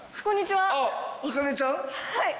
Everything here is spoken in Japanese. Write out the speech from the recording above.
はい。